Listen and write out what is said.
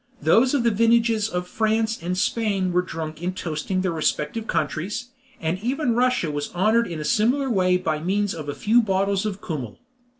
Those of the vintages of France and Spain were drunk in toasting their respective countries, and even Russia was honored in a similar way by means of a few bottles of kummel.